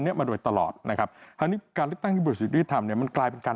แต่ได้ประโยชน์อะไรมาบ้างหรือเปล่า